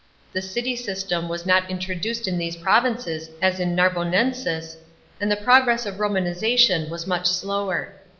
The city system was not introduced iu these provinces as in Narbonensis, and the progress of Romanisation was much slower.